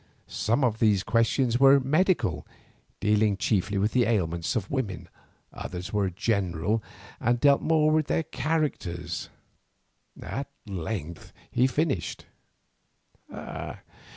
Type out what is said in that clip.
Some of these questions were medical, dealing chiefly with the ailments of women, others were general and dealt more with their characters. At length he finished.